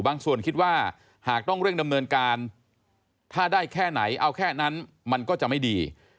ส่วนคิดว่าหากต้องเร่งดำเนินการถ้าได้แค่ไหนเอาแค่นั้นมันก็จะไม่ดี